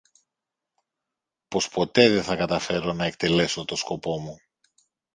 Πως ποτέ δε θα καταφέρω να εκτελέσω το σκοπό μου